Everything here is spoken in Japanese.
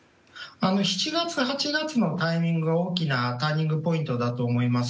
７月、８月のタイミングが大きなターニングポイントだと思います。